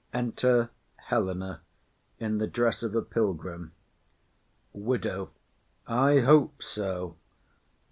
Enter Helena in the dress of a pilgrim. WIDOW. I hope so.